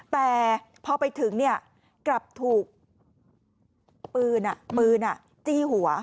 แต่พอไปถึงกลับถูกปืนปืนจี้หัว